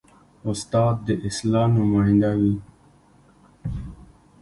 استاد د اصلاح نماینده وي.